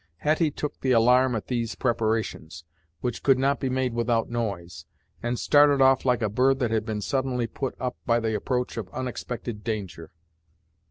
Hetty took the alarm at these preparations, which could not be made without noise, and started off like a bird that had been suddenly put up by the approach of unexpected danger.